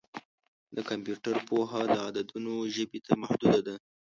د کمپیوټر پوهه د عددونو ژبې ته محدوده ده.